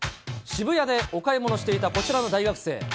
渋谷でお買い物をしていたこちらの大学生。